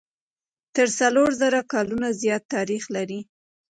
تر څلور زره کلونو زیات تاریخ لري.